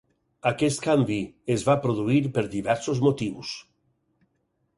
Aquest canvi es va produir per diversos motius.